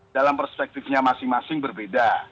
dalam perspektifnya masing masing berbeda